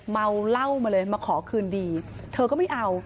เมาเหล้ามาเลยมาขอคืนดีเธอก็ไม่เอา